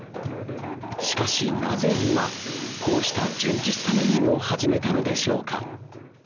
しかし、なぜ今、こうした純喫茶メニューを始めたのでしょうか。